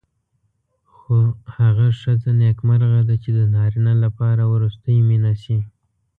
خو هغه ښځه نېکمرغه ده چې د نارینه لپاره وروستۍ مینه شي.